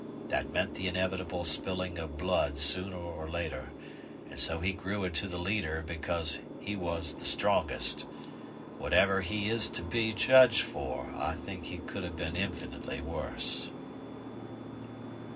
That meant the inevitable spilling of blood sooner or later, and so he grew into the leader because he was the strongest. Whatever he is to be judged for, I think he could have been infinitely worse."